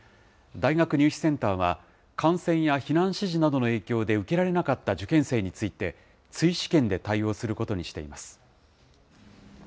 大学入試センターは、感染や避難指示などの影響で受けられなかった受験生について、追試験で対応することにしています。